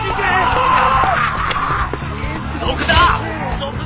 「賊だ！